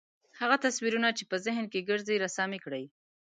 هغه تصویرونه چې په ذهن کې ګرځي رسامي کړئ.